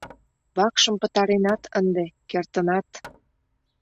— Вакшым пытаренат ынде, кертынат!